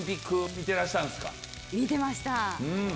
見てました。